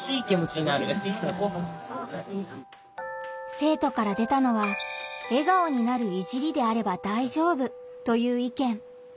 生徒から出たのは「笑顔になる“いじり”であれば大丈夫」という意見。